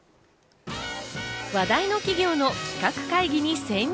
話題の企業の企画会議に潜入。